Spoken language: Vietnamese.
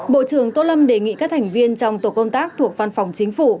bộ trưởng tô lâm đề nghị các thành viên trong tổ công tác thuộc văn phòng chính phủ